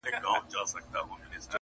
د سکندر او رکسانې یې سره څه,